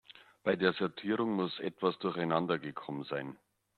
Bei der Sortierung muss etwas durcheinander gekommen sein.